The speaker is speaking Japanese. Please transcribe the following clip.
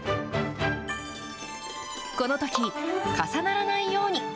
このとき、重ならないように。